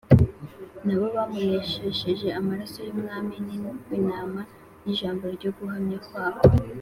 Na bo bamuneshesheje amaraso y’Umwana w’Intama n’ijambo ryo guhamya kwabo,